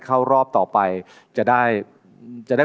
โปรดติดตามต่อไป